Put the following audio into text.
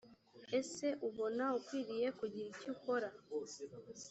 ese ubona ukwiriye kugira icyo ukora